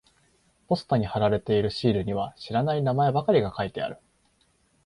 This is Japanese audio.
ポストに貼られているシールには知らない名前ばかりが書いてある。